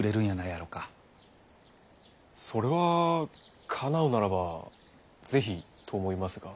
それはかなうならばぜひと思いますが。